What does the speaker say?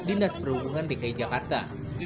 dinas perhubungan dki jakarta